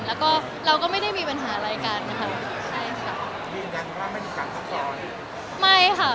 แล้วก็เราก็ไม่ได้มีปัญหาอะไรกันอะครับ